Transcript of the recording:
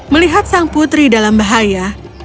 melihat sang putri dalam bahaya